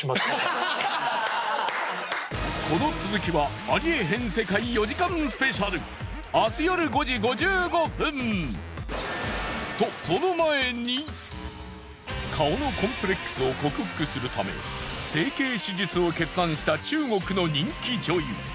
この続きは『ありえへん世界』４時間スペシャル顔のコンプレックスを克服するため整形手術を決断した中国の人気女優。